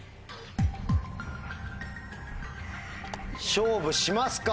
勝負しますか！